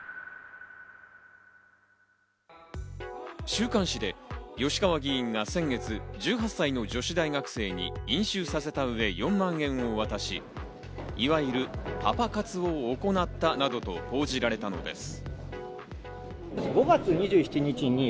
週刊誌で吉川議員が先月、１８歳の女子大学生に飲酒させたうえ４万円を渡し、いわゆるパパ活を行ったなどと報じられたのです。